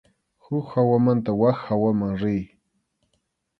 Huk hawamanta wak hawaman riy.